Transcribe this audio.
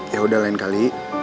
ya udah lain kali